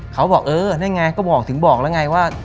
เขาบอกเออนั่นไงก็บอกถึงบอกแล้วไงว่า